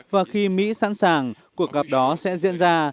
và khi mỹ sẵn sàng cuộc gặp đó sẽ diễn ra